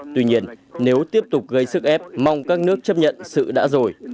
tuy nhiên nếu tiếp tục gây sức ép mong các nước chấp nhận sự đã rồi